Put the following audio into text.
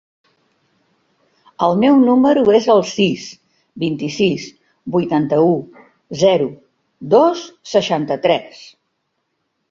El meu número es el sis, vint-i-sis, vuitanta-u, zero, dos, seixanta-tres.